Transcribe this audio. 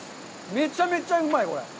めちゃめちゃうまい。